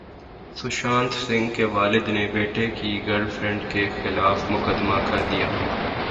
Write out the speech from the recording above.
سشانت سنگھ کے والد نے بیٹے کی گرل فرینڈ کےخلاف مقدمہ کردیا